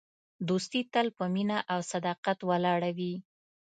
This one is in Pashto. دوستي تل په مینه او صداقت ولاړه وي.